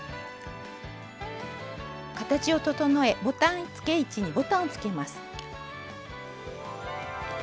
形を整えボタンつけ位置にボタンをつけます。